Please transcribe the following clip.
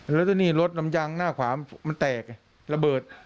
แล้วก็นี่รถลำยางหน้าขวามันแตกระเบิด